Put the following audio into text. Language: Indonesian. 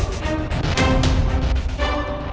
tidak ada apa apa